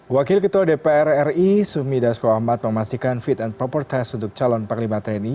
wakil ketua dpr ri sumi dasko ahmad memastikan fit and proper test untuk calon panglima tni